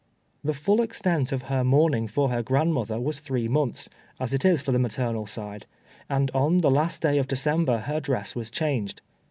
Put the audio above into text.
The full extent of her mourning for her grandmother was three months, as it is for the maternal side; and on the last day of December her dress was changed.